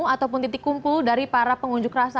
ataupun titik kumpul dari para pengunjuk rasa